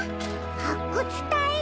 はっくつたい。